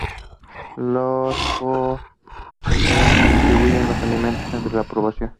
Los cooperantes distribuyeron los alimentos entre la población